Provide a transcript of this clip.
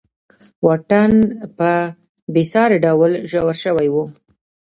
واټن په بېساري ډول ژور شوی و.